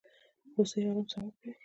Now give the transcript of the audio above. هوسۍ ارام څښاک کوي.